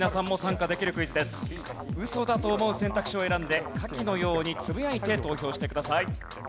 ウソだと思う選択肢を選んで下記のようにつぶやいて投票してください。